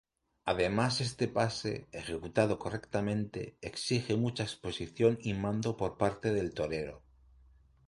Además este pase, ejecutado correctamente, exige mucha exposición y mando por parte del torero.